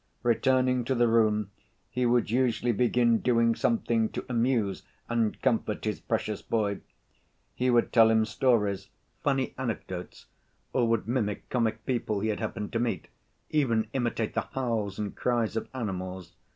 Returning to the room, he would usually begin doing something to amuse and comfort his precious boy; he would tell him stories, funny anecdotes, or would mimic comic people he had happened to meet, even imitate the howls and cries of animals.